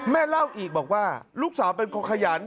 เล่าอีกบอกว่าลูกสาวเป็นคนขยัน